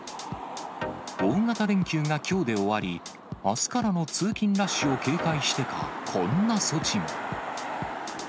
大型連休がきょうで終わり、あすからの通勤ラッシュを警戒してか、こんな措置も。